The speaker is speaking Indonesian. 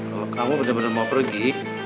kalo kamu bener bener mau pergi